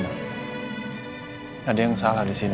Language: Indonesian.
ada yang salah disini